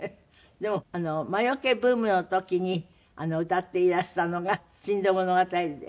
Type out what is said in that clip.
でも魔よけブームの時に歌っていらしたのが『珍島物語』で。